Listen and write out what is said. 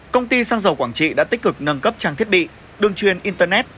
công ty xăng dầu quảng trị đã tích cực nâng cấp trang thiết bị đường chuyên internet